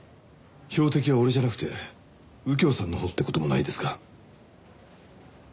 標的は俺じゃなくて右京さんのほうって事もないですか？